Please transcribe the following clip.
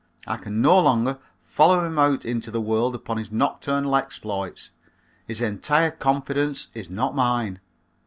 I can no longer follow him out into the world upon his nocturnal exploits. His entire confidence is not mine.